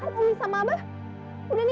berarti dia juga sama kita hanya gini